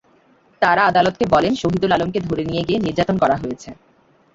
তাঁরা আদালতকে বলেন, শহিদুল আলমকে ধরে নিয়ে গিয়ে নির্যাতন করা হয়েছে।